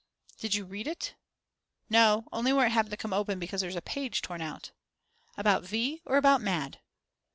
"Did you read it?" "No, only where it happened to come open because there's a page torn out." "About V. or about Mad?"